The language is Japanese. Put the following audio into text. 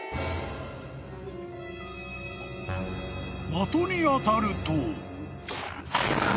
［的に当たると］